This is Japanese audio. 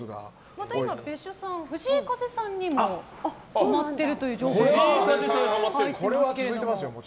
また今別所さん藤井風さんにもハマっているという情報が入っていますけども。